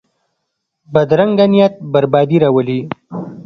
بدرنګه نیت بربادي راولي